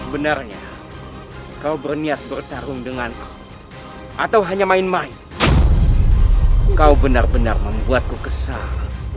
benarnya kau berniat bertarung dengan atau hanya main main kau benar benar membuatku kesal